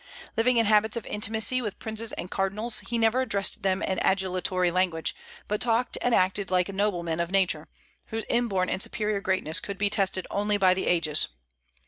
Living in habits of intimacy with princes and cardinals, he never addressed them in adulatory language, but talked and acted like a nobleman of nature, whose inborn and superior greatness could be tested only by the ages.